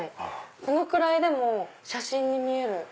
このくらいでも写真に見える。